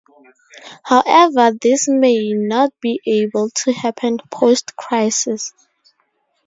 However this may not be able to happen Post-Crisis.